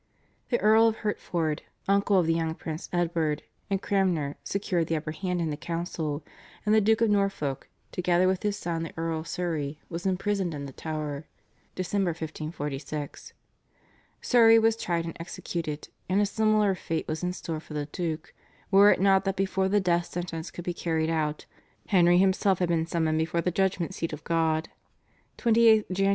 The Earl of Hertford, uncle of the young Prince Edward and Cranmer secured the upper hand in the council, and the Duke of Norfolk, together with his son the Earl of Surrey, was imprisoned in the Tower (Dec. 1546). Surrey was tried and executed, and a similar fate was in store for the Duke, were it not that before the death sentence could be carried out, Henry himself had been summoned before the judgment seat of God (28th Jan.